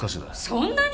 そんなに！？